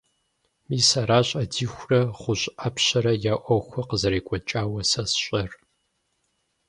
Мис аращ Ӏэдиихурэ ГъущӀ Ӏэпщэрэ я Ӏуэхур къызэрекӀуэкӀауэ сэ сщӀэр.